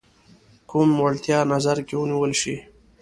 کوم وړتیا نظر کې ونیول شي.